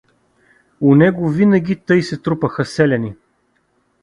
У него винаги тъй се трупаха селяни.